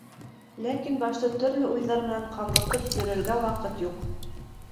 Ләкин башты төрлө уйҙар менән ҡаңғыртып йөрөргә ваҡыт юҡ.